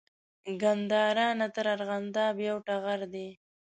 ګندارا نه تر ارغند یو ټغر دی